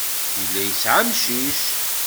Yella yesɛa amcic.